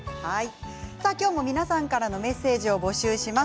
今日も皆さんからのメッセージを募集します。